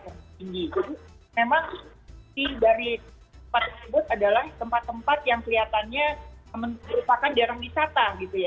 jadi memang dari tempat tersebut adalah tempat tempat yang kelihatannya merupakan daerah wisata